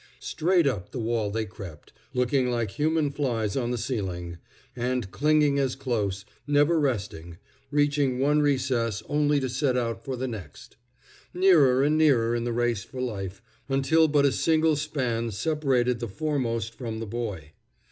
Straight up the wall they crept, looking like human flies on the ceiling, and clinging as close, never resting, reaching one recess only to set out for the next; nearer and nearer in the race for life, until but a single span separated the foremost from the boy.